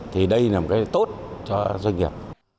thì đây là một cái tốt cho doanh nghiệp